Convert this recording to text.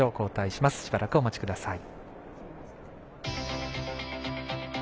しばらくお待ちください。